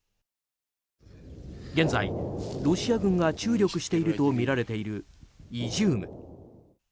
現在、ロシア軍が注力しているとみられているイジューム。